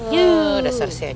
ya sudah serius ya